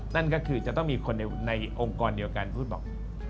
นั่นก็คือจะต้องมีคนในองค์กรเดียวกันพูดบอก